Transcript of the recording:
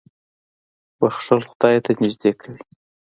• بښل خدای ته نېږدې کوي.